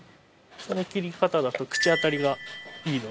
この切り方だと口当たりがいいので。